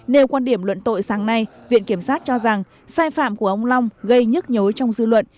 nêu quan điểm luận tội sáng nay viện kiểm sát cho rằng sai phạm của ông long gây nhức nhối trong dư luận